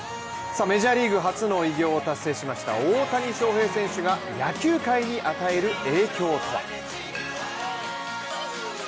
メジャーリーグ初の偉業を達成しました大谷翔平選手が野球界に与える影響とは。